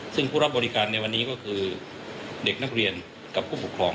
ซึ่งผู้รับบริการในวันนี้ก็คือเด็กนักเรียนกับผู้ปกครอง